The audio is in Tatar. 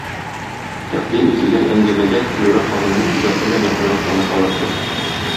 Тәкъдим ителгән әңгәмәдә Флюра ханымның иҗаты белән якынрак таныша алырсыз.